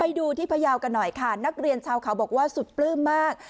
ไปดูที่พยาวกันหน่อยค่ะนักเรียนชาวเขาบอกว่าสุดปลื้มมาก